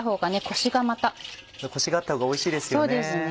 コシがあったほうがおいしいですよね。